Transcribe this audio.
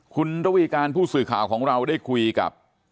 คุณระวีการผู้สื่อข่าวของเราได้คุยกับ